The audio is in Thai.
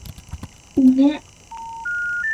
อุแง๊ะ